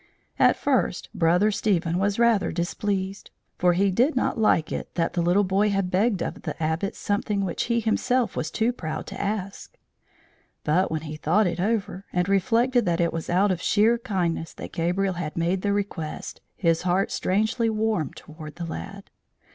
At first Brother Stephen was rather displeased; for he did not like it that the little boy had begged of the Abbot something which he himself was too proud to ask. But when he thought it over, and reflected that it was out of sheer kindness that Gabriel had made the request, his heart strangely warmed toward the lad.